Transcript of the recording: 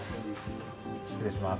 失礼します。